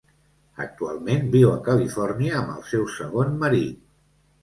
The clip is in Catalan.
Actualment viu a Califòrnia amb el seu segon marit.